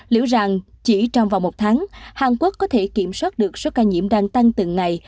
liệu rằng chỉ trong vòng một tháng hàn quốc có thể kiểm soát được số ca nhiễm đang tăng từng ngày